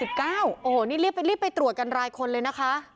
โอ้โหนี่รีบไปตรวจกันรายคนเลยนะคะ